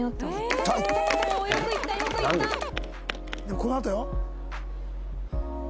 このあとよ。